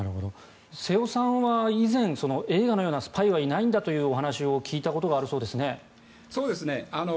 瀬尾さんは以前映画のようなスパイはいないんだというお話を聞いたことがあるそうですね。